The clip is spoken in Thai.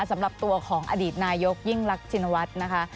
สำหรับตัวของอดีตนายกยิ่งรักชินวัฒน์นะคะ